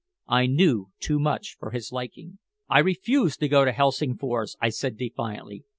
I knew too much for his liking. "I refuse to go to Helsingfors," I said defiantly.